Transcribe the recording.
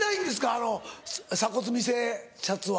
あの鎖骨見せシャツは。